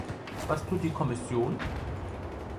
Was tut die Kommission?